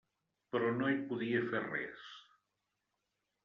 Però no hi podia fer res.